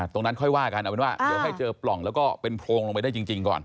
ค่อยว่ากันเอาเป็นว่าเดี๋ยวให้เจอปล่องแล้วก็เป็นโพรงลงไปได้จริงก่อน